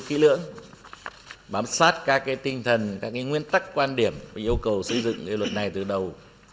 kỹ lưỡng bám sát các tinh thần các nguyên tắc quan điểm và yêu cầu xây dựng luật này từ đầu